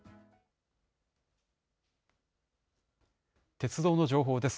鉄道の情報です。